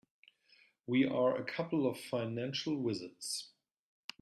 We're a couple of financial wizards.